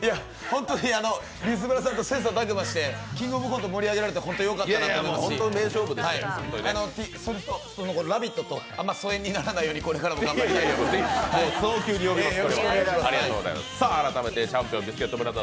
本当にあのビスブラさんと切磋琢磨して「キングオブコント」盛り上げられて本当によかったと思いますし、「ラヴィット！」と疎遠にならないようにこれからも頑張りたいと思います。